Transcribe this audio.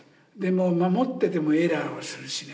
守っててもエラーはするしね。